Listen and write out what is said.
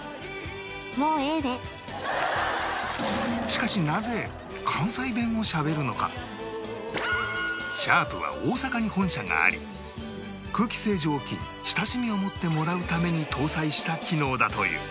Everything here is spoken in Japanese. しかしＳＨＡＲＰ は大阪に本社があり空気清浄機に親しみを持ってもらうために搭載した機能だという